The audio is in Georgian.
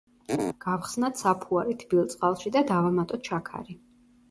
გავხსნათ საფუარი თბილ წყალში და დავამატოთ შაქარი.